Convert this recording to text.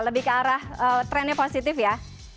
lebih ke arah trennya positif ya